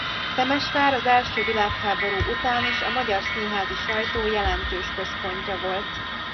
Temesvár az első világháború után is a magyar színházi sajtó jelentős központja volt.